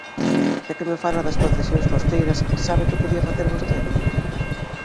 Xa que me fala das concesións costeiras ¿sabe que podía facer vostede?